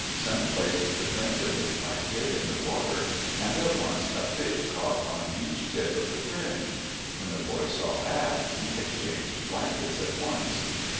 Sun placed the fringe of his blanket in the water, and at once a fish caught on each tip of the fringe. When the boy saw that, he exchanged blankets at once.